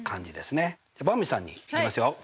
ばんびさんにいきますよ。